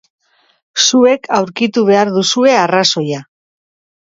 Zuek aurkitu behar duzue arrazoia.